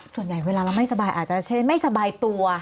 ส่วนใหญ่เวลาเราไม่สบายอาจจะเช่นไม่สบายตัว